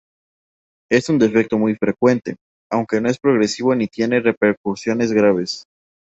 Es un defecto muy frecuente, aunque no es progresivo ni tiene repercusiones graves.